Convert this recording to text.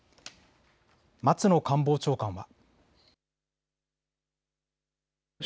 松野官房長官は。